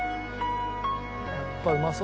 やっぱうまそうだ。